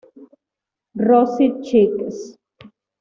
Rosy Cheeks.